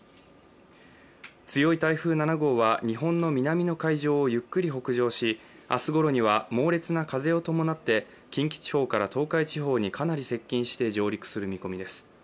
強い台風７号は日本の南の海上をゆっくり北上し、明日ごろには、猛烈な風を伴って近畿地方から東海地方にかなり接近して上陸する見込みです。